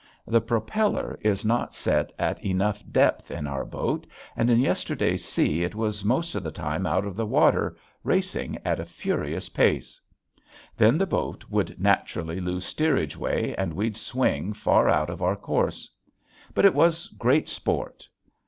The propeller is not set at enough depth in our boat and in yesterday's sea it was most of the time out of water, racing at a furious pace. Then the boat would naturally lose steerage way and we'd swing far out of our course. But it was great sport.